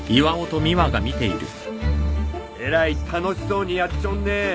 えらい楽しそうにやっちょんね。